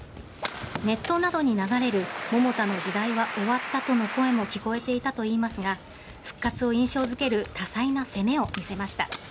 ネットなどに流れる桃田の時代は終わったとの声も聞こえていたといいますが復活を印象づける多彩な攻めを見せました。